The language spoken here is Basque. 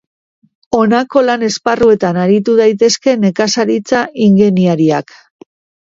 Honako lan esparruetan aritu daitezke nekazaritza ingeniariak.